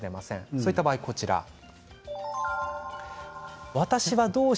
そういった場合はこちらです。